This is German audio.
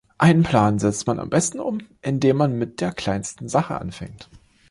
Einen Plan setzt man am besten um, indem man mit der kleinsten Sache anfängt.